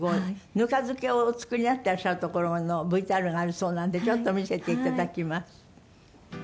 ぬか漬けをお作りになってらっしゃるところのＶＴＲがあるそうなんでちょっと見せて頂きます。